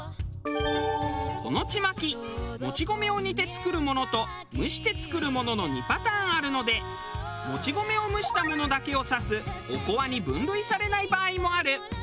このちまきもち米を煮て作るものと蒸して作るものの２パターンあるのでもち米を蒸したものだけを指すおこわに分類されない場合もある。